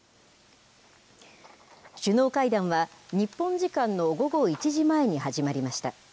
首脳会談は、日本時間の午後１時前に始まりました。